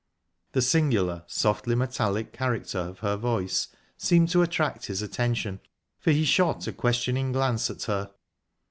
The singular, softly metallic character of her voice seemed to attract his attention, for he shot a questioning glance at her.